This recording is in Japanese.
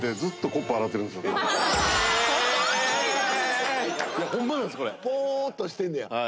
これポーッとしてんねや